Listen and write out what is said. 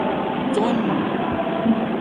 څُن